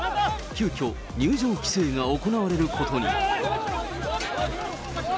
急きょ、入場規制が行われることに。